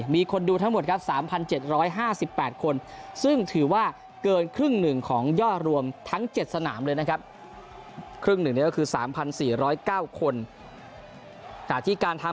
มีคนดูทั้งหมดครับ๓๗๕๘คนซึ่งถือว่าเกินครึ่งหนึ่งของยอดรวมทั้ง๗สนามเลยนะครับ